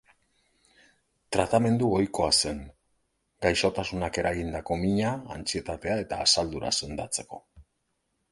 Tratamendu ohikoa zen, gaixotasunak eragindako mina, antsietatea eta asaldura sendatzeko.